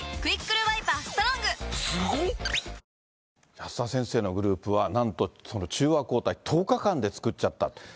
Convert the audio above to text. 保田先生のグループは、なんと、その中和抗体、１０日間で作っちゃった。